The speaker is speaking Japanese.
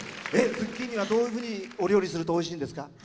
ズッキーニはどういうふうにお料理するとおいしいんですか？